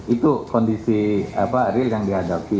itu kondisi real yang dihadapi